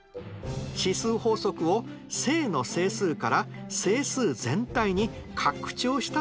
指数法則を正の整数から整数全体に拡張したというわけです。